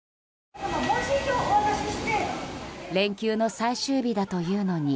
連休の最終日だというのに。